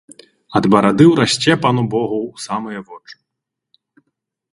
Ад барады ўрасце пану богу ў самыя вочы.